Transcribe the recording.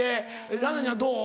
蘭々ちゃんどう？